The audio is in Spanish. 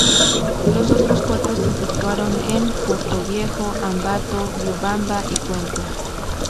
Los otros cuatro se efectuaron en Portoviejo, Ambato, Riobamba y Cuenca.